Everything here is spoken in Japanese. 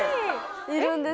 いるんです。